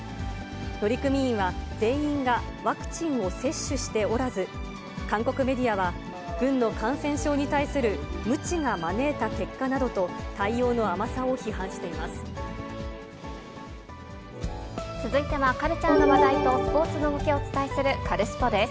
乗組員は、全員がワクチンを接種しておらず、韓国メディアは、軍の感染症に対する無知が招いた結果などと、対応の甘さを批判し続いては、カルチャーの話題とスポーツの動きをお伝えするカルスポっ！です。